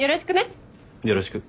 よろしくね。